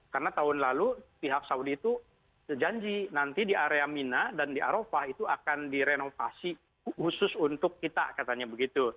karena tahun lalu pihak saudi itu janji nanti di area mina dan di arafah itu akan direnovasi khusus untuk kita katanya begitu